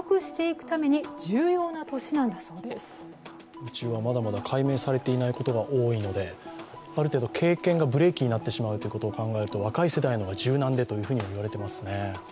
宇宙はまだまだ解明されていないことが多いのである程度、経験がブレーキになってしまうということを考えると若い世代の方が柔軟でというふうにもいわれていますね。